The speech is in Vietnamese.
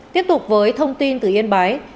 tiếp tục với thông tin từ yên bái